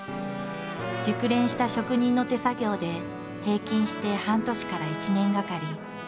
熟練した職人の手作業で平均して半年から１年がかり。